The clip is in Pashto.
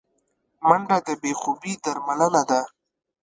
منډه د بې خوبي درملنه ده